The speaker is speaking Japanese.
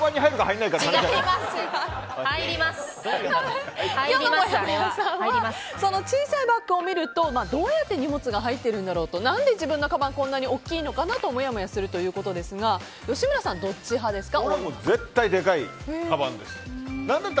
今日のもやもやさんは小さいバッグを見るとどうやって荷物が入っているんだろうと何で自分のかばんこんなに大きいのかなともやもやするということですが吉村さんは、どっち派ですか？